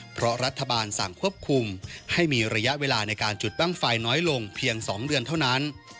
เพราะรัฐบาลสั่งควบคุมให้มีระยะเวลาในการจุดบ้างไฟน้อยลงเพียง๒เดือนเท่านั้น